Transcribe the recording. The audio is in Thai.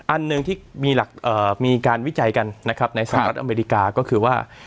อันหนึ่งที่มีการวิจัยกันนะครับในสหรัฐอเมริกาก็คือว่า